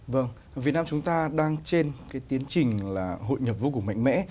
vâng việt nam chúng ta đang trên cái tiến trình là hội nhập vô cùng mạnh mẽ